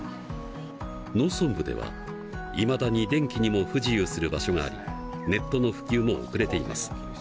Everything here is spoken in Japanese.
農村部ではいまだに電気にも不自由する場所がありネットの普及も遅れています。